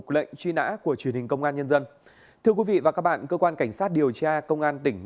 kính chào quý vị và các bạn